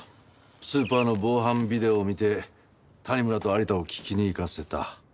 スーパーの防犯ビデオを見て谷村と有田を聞きに行かせた。